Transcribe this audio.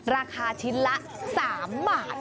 ราคาชิ้นละ๓บาท